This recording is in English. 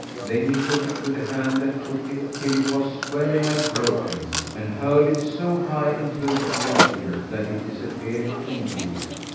Then he shook it with the hand that took it till it was well nigh broken, and hurled it so high into the welkin that it disappeared from view.